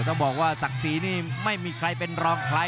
ต้องบอกว่าศักดิ์ศรีนี่ไม่มีใครเป็นรองใคร